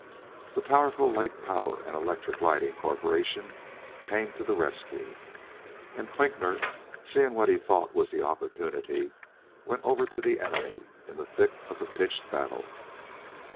The powerful Lake Power & Electric Lighting corporation came to the rescue, and Klinkner, seeing what he thought was the opportunity, went over to the enemy in the thick of the pitched battle.